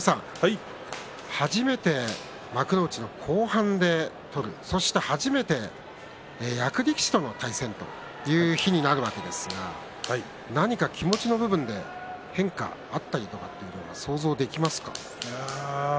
初めて幕内の後半で取るそして、初めて役力士との対戦という日になるわけですが何か気持ちの部分で変化、あったりとか想像できますか？